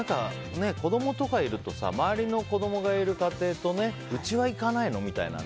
子供とかいるとさ周りの子供がいる家庭とうちは行かないの？みたいな。